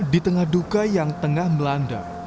di tengah duka yang tengah melanda